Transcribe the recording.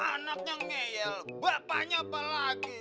anaknya ngeyel bapaknya pelagi